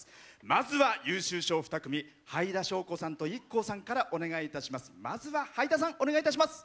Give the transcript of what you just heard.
まずは、優秀賞２組はいだしょうこさんとＩＫＫＯさんからお願いいたします。